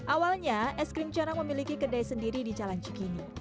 awalnya es krim canang memiliki kedai sendiri di calancikini